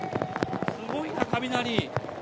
すごいな、雷。